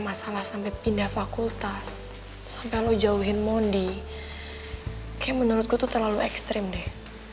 masalah sampai pindah fakultas sampai lo jauhin mondi kayak menurutku tuh terlalu ekstrim deh